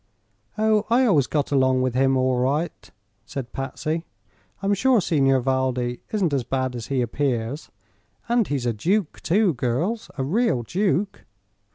"Oh, I always got along with him all right," said Patsy. "I'm sure Signor Valdi isn't as bad as he appears. And he's a duke, too, girls a real duke!"